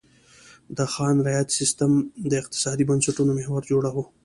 د خان رعیت سیستم د اقتصادي بنسټونو محور جوړاوه.